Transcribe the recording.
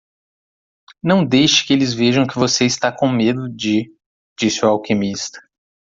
"Não deixe que eles vejam que você está com medo de?", disse o alquimista.